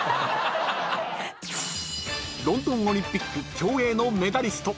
［ロンドンオリンピック競泳のメダリスト］